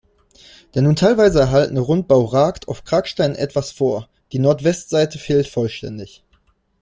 Der nur teilweise erhaltene Rundbau ragt auf Kragsteinen etwas vor, die Nordwestseite fehlt vollständig.